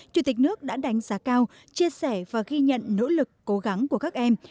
chủ tịch nước đã đánh giá cao chia sẻ và ghi nhận nỗ lực cố gắng của các em